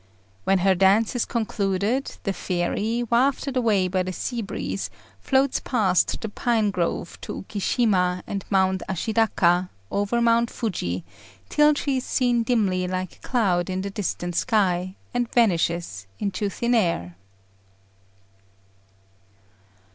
When her dance is concluded, the fairy, wafted away by the sea breeze, floats past the pine grove to Ukishima and Mount Ashidaka, over Mount Fuji, till she is seen dimly like a cloud in the distant sky, and vanishes into thin air.